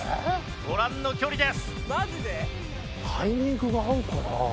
ご覧の距離です。